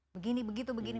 begini begitu begini